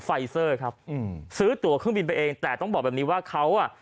ไฟเซอร์ครับอืมซื้อตัวเครื่องบินไปเองแต่ต้องบอกแบบนี้ว่าเขาอ่ะ